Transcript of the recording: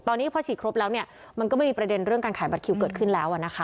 ตอนนี้พอฉีดครบแล้วเนี่ยมันก็ไม่มีประเด็นเรื่องการขายบัตรคิวเกิดขึ้นแล้วนะคะ